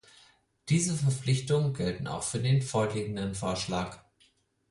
Diese Verpflichtungen gelten auch für den vorliegenden Vorschlag.